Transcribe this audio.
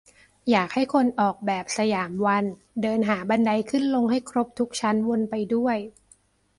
อยากให้คนออกแบบสยามวันเดินหาบันไดขึ้นลงให้ครบทุกชั้นวนไปด้วย